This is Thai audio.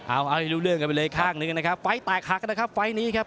เอาเอาให้รู้เรื่องกันไปเลยข้างหนึ่งนะครับไฟล์แตกหักนะครับไฟล์นี้ครับ